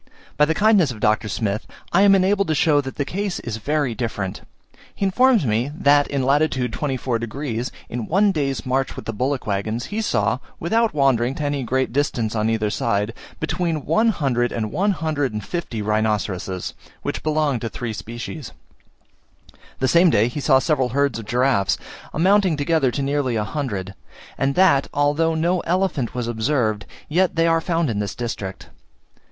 By the kindness of Dr. Smith, I am enabled to show that the case is very different. He informs me, that in lat. 24 degs., in one day's march with the bullock waggons, he saw, without wandering to any great distance on either side, between one hundred and one hundred and fifty rhinoceroses, which belonged to three species: the same day he saw several herds of giraffes, amounting together to nearly a hundred; and that although no elephant was observed, yet they are found in this district.